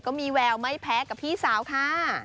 ก็มีแววไม่แพ้กับพี่สาวค่ะ